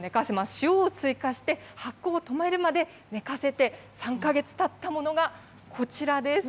塩を追加して発酵を止めるまで寝かせて、３か月たったものがこちらです。